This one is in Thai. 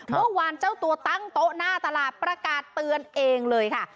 เมื่อวานเจ้าตัวตั้งโต๊ะหน้าตลาดประกาศเตือนเองเลยค่ะ